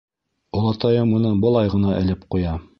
Олатайым уны былай ғына элеп ҡуя.